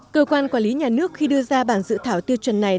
cơ quan quản lý nhà nước khi đưa ra bản dự thảo tiêu chuẩn này